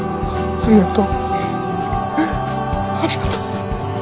ありがとう。